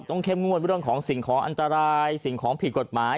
ต้องเข้มงวดวิธีของสิ่งของอันตรายสิ่งของผิดกฎหมาย